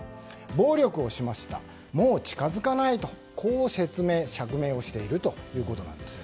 暴力をしましたもう近づかないとこう説明、釈明をしているということです。